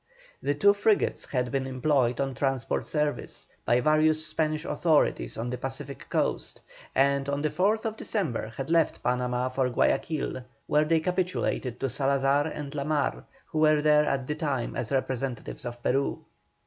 The two frigates had been employed on transport service, by various Spanish authorities on the Pacific coast, and on the 4th December had left Panama for Guayaquil, where they capitulated to Salazar and La Mar, who were there at the time as representatives of Peru.